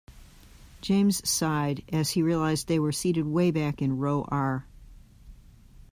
James sighed as he realized they were seated way back in row R.